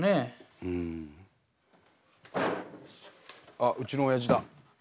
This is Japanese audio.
あっうちのおやじだ。